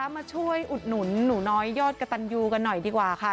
มาช่วยอุดหนุนหนูน้อยยอดกระตันยูกันหน่อยดีกว่าค่ะ